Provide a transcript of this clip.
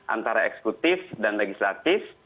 antara eksekutif dan legislatif